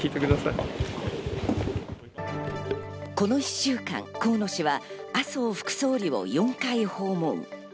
この１週間、河野氏は麻生副総理を４回訪問。